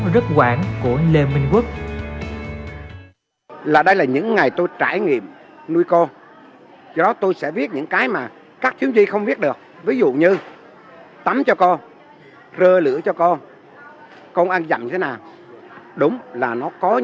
rất quảng của lê minh quốc